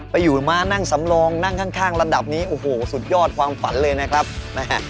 ไปอยู่มานั่งสำรองนั่งข้างระดับนี้โอ้โหสุดยอดความฝันเลยนะครับนะฮะ